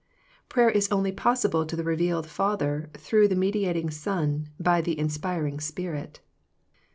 Prayer is only possible to the revealed Father through the mediating Son by the inspiring Spirit.